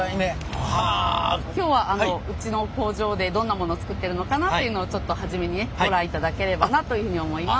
今日はうちの工場でどんなもの作ってるのかなっていうのをちょっと初めにねご覧いただければなというふうに思います。